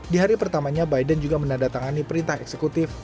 di hari pertamanya biden juga menandatangani perintah eksekutif